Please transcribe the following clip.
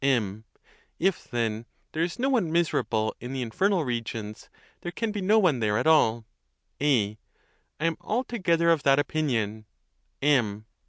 M. ff, then, there is no one miserable in the infernal regions, there can be no one there at all. A. I am altogether of that opinion. M.